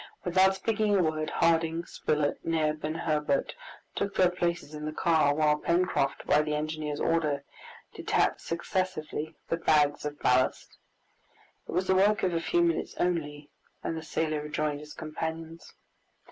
Without speaking a word, Harding, Spilett, Neb, and Herbert took their places in the car, while Pencroft by the engineer's order detached successively the bags of ballast. It was the work of a few minutes only, and the sailor rejoined his companions.